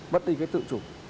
mất đi cái tự chủ